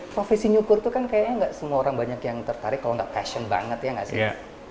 profesi nyukur tuh kan kayaknya nggak semua orang banyak yang tertarik kalau nggak passion banget ya gak sih